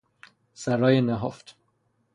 سرای نهفت